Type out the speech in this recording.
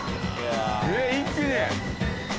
えっ一気に。